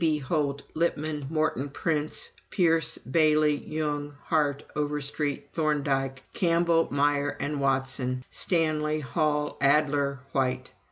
B. Holt, Lippmann, Morton Prince, Pierce, Bailey, Jung, Hart, Overstreet, Thorndike, Campbell, Meyer and Watson, Stanley Hall, Adler, White.